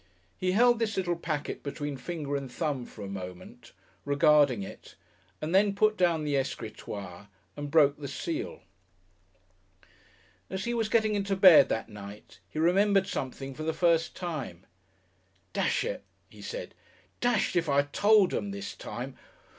He held this little packet between finger and thumb for a moment, regarding it, and then put down the escritoire and broke the seal.... As he was getting into bed that night he remembered something for the first time! "Dash it!" he said. "Dashed if I told 'em this time....